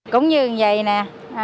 cũng như vậy nè